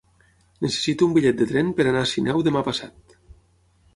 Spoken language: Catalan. Necessito un bitllet de tren per anar a Sineu demà passat.